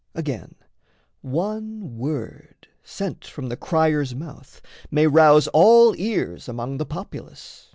Again, one word, Sent from the crier's mouth, may rouse all ears Among the populace.